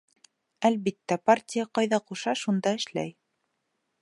Әлбиттә, партия ҡайҙа ҡуша, шунда эшләй.